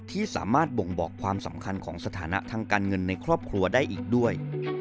ที่สามารถบ่งบอกความสำคัญของสถานะทางการเงินในครอบครัวได้อีกด้วย